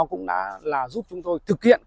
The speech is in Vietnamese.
cũng đã giúp chúng tôi thực hiện